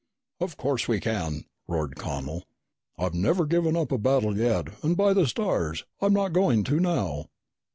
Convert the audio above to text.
"Of course we can!" roared Connel. "I've never given up a battle yet and, by the stars, I'm not going to now!"